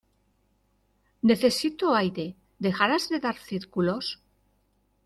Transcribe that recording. Necesito aire. ¿ dejarás de dar círculos?